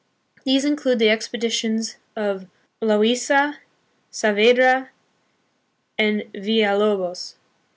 These include the expeditions of Loaisa, Saavedra, and Villalo bos.